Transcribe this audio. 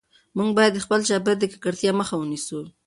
موږ باید د خپل چاپیریال د ککړتیا مخه ونیسو.